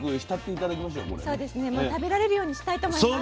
もう食べられるようにしたいと思います。